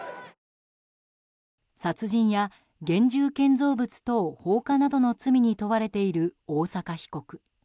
殺人や現住建造物等放火などの罪に問われている大坂被告。